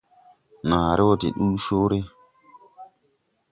Nããre wɔ de ndu coore.